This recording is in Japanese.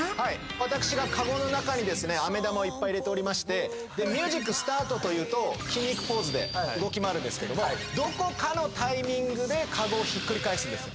私がカゴの中にですね飴玉をいっぱい入れておりましてミュージックスタートと言うと筋肉ポーズで動き回るんですけどもどこかのタイミングでカゴをひっくり返すんですよ